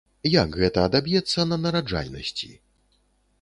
Як гэта адаб'ецца на нараджальнасці?